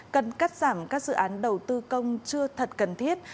cần cắt giảm các dự án đầu tư công chưa thật cần thiết